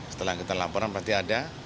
setelah kita laporan pasti ada